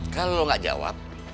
kalau nggak jawab